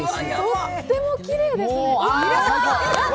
とってもきれいですね。